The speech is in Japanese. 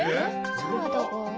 サラダが。